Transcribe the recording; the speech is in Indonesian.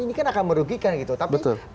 ini kan akan merugikan gitu tapi